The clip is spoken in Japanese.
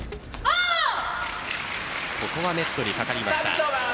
ここはネットにかかりました。